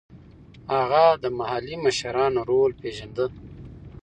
هغه د محلي مشرانو رول پېژانده.